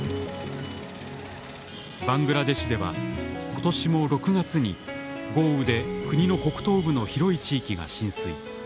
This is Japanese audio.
バングラデシュでは今年も６月に豪雨で国の北東部の広い地域が浸水。